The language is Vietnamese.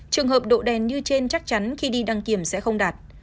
trường hợp độ đen như trên chắc chắn khi đi đăng kiểm sẽ không đạt